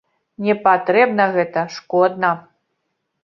Не патрэбна гэта, шкодна.